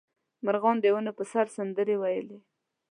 مرغانو د ونې په سر سندرې ویلې.